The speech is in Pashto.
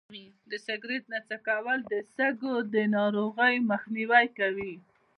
د سګرټ نه څکول د سږو د ناروغۍ مخنیوی کوي.